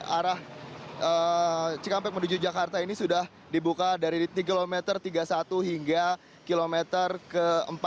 arah cikampek menuju jakarta ini sudah dibuka dari kilometer tiga puluh satu hingga kilometer ke empat puluh